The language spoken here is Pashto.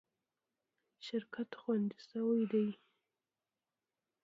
شرکت خوندي شوی دی.